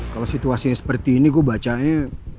kalau situasinya seperti ini gue bacanya